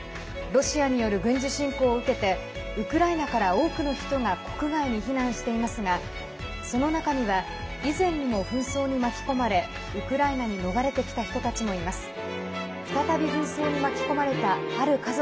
ロシアによる軍事侵攻を受けてウクライナから多くの人が国外に避難していますがその中には以前にも紛争に巻き込まれウクライナに逃れてきた人たちもいます。